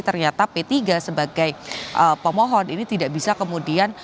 ternyata p tiga sebagai pemohon ini tidak bisa kemudian